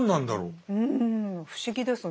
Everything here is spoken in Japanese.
うん不思議。